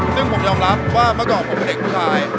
ซึ่งผมยอมรับว่าเมื่อก่อนผมเป็นเด็กผู้ชาย